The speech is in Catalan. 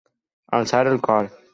Alçar el cor.